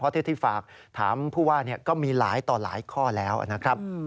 เท่าที่ฝากถามผู้ว่าก็มีหลายต่อหลายข้อแล้วนะครับ